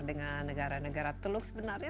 dengan negara negara teluk sebenarnya